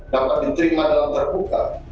dapat diterima dalam terbuka